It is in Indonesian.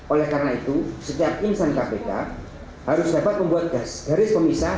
oleh karena itu setiap insan kpk harus dapat membuat garis pemisah